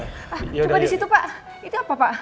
coba disitu pak